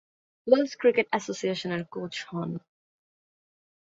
Wales cricket অ্যাসোসিয়েশনের coach হন।